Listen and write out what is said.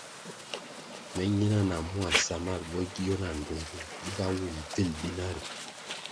Me nyina nah mua samal bo gio na ndtungu giga wum bvil binari.